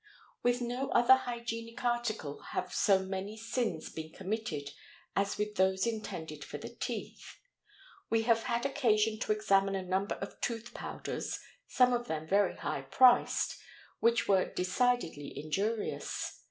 With no other hygienic article have so many sins been committed as with those intended for the teeth; we have had occasion to examine a number of tooth powders, some of them very high priced, which were decidedly injurious.